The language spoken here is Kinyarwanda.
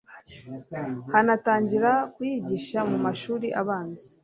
hanatangira kuyigisha mu mashuli abanza